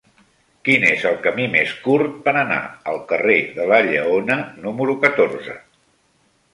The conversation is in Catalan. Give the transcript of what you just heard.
Quin és el camí més curt per anar al carrer de la Lleona número catorze?